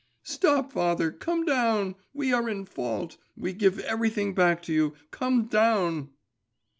'Stop, father; come down. We are in fault; we give everything back to you. Come down.